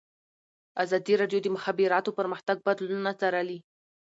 ازادي راډیو د د مخابراتو پرمختګ بدلونونه څارلي.